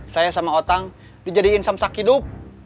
saya sama otak dijadikan samsak hidup